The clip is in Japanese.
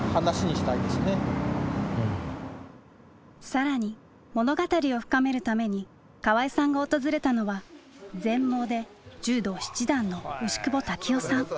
更に物語を深めるために河合さんが訪れたのは全盲で柔道七段の牛窪多喜男さん。